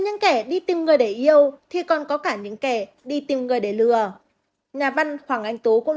những kẻ đi tìm người để yêu thì còn có cả những kẻ đi tìm người để lừa nhà văn hoàng anh tú cũng